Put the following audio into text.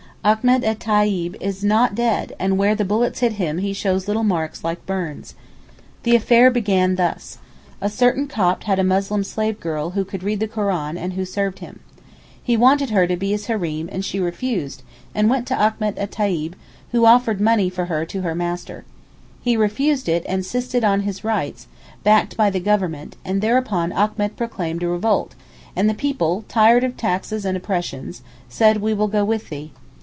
Achmet et Tayib is not dead and where the bullets hit him he shows little marks like burns. The affair began thus: A certain Copt had a Muslim slave girl who could read the Koran and who served him. He wanted her to be his Hareem and she refused and went to Achmet et Tayib who offered money for her to her master. He refused it and insisted on his rights, backed by the Government, and thereupon Achmet proclaimed a revolt and the people, tired of taxes and oppressions, said 'we will go with thee.